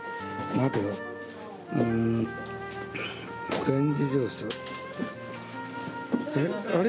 オレンジジュースあれ？